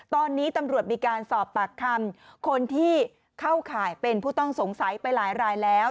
ตอนนี้ตำรวจมีการสอบปากคำคนที่เข้าข่ายเป็นผู้ต้องสงสัยไปหลายรายแล้ว